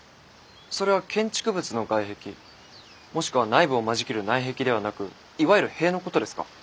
それは建築物の外壁もしくは内部を間仕切る内壁ではなくいわゆる塀のことですか？